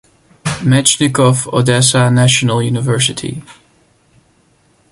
Mechnikov Odessa National University.